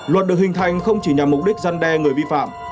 luật được hình thành không chỉ nhằm mục đích gian đe người vi phạm